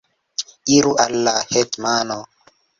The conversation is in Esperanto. Iru al la hetmano!